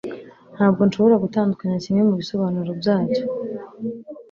Ntabwo nshobora gutandukanya kimwe mubisobanuro byacyo